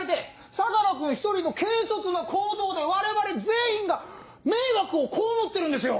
相良君１人の軽率な行動で我々全員が迷惑を被ってるんですよ！